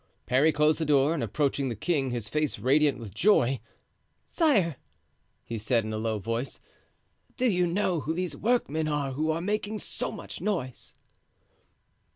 Parry closed the door and approaching the king, his face radiant with joy: "Sire," he said, in a low voice, "do you know who these workmen are who are making so much noise?"